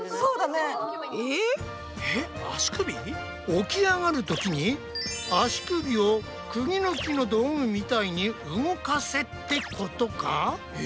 起き上がるときに足首をクギぬきの道具みたいに動かせってことか？